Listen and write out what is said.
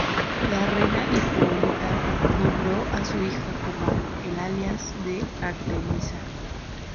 La Reina Hipólita nombró a su hija como el alias de Artemisa.